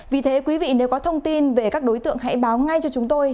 vì thế quý vị nếu có thông tin về các đối tượng hãy báo ngay cho chúng tôi